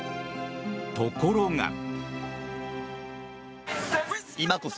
ところが。